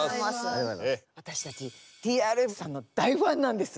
私たちＴＲＦさんの大ファンなんです。